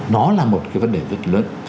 nó là một cái vấn đề rất lớn